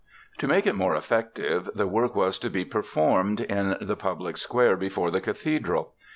To make it more effective, the work was to be performed in the public square before the cathedral.